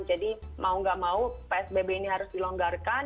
jadi mau gak mau psbb ini harus dilonggarkan